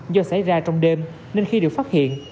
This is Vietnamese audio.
do xảy ra trong đêm nên khi được phát hiện